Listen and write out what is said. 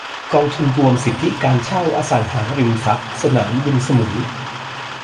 กองทุนรวมสิทธิการเช่าอสังหาริมทรัพย์สนามบินสมุย